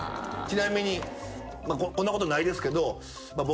ちなみにこんなことないですけど。